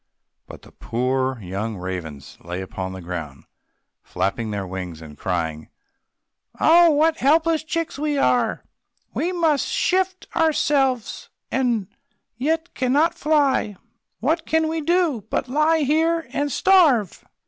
But the poor young ravens lay upon the ground, flapping their wings, and crying, "Oh, what helpless chicks we are! We must shift for ourselves, and yet we cannot fly! What can we do, but lie here and starve?"